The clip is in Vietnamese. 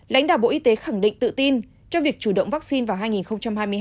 lãnh đạo bộ y tế khẳng định tự tin cho việc chủ động vaccine vào hai nghìn hai mươi hai